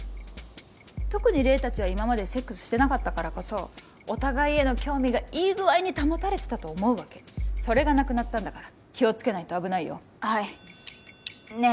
特に黎達は今までセックスしてなかったからこそお互いへの興味がいい具合に保たれてたと思うわけそれがなくなったんだから気をつけないと危ないよはいねえ